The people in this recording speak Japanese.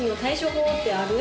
法ってある？